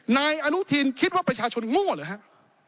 นายอนุทินคิดว่าประชาชนโง่หรือครับ